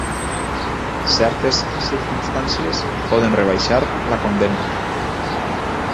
Certes circumstàncies poden rebaixar la condemna.